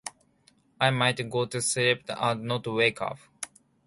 I might go to sleep and not wake up.